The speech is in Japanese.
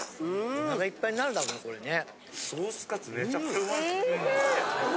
お腹いっぱいになるだろうねこれね。